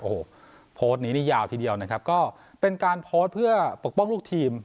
โอ้โหโพสต์นี้นี่ยาวทีเดียวนะครับก็เป็นการโพสต์เพื่อปกป้องลูกทีม